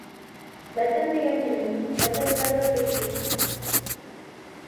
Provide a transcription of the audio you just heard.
ۋەتەن دېگەن نېمە؟ ۋەتەنپەرۋەرلىكچۇ؟